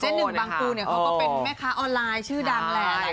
หนึ่งบางปูเขาก็เป็นแม่ค้าออนไลน์ชื่อดังแหละ